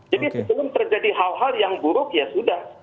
jadi sebelum terjadi hal hal yang buruk ya sudah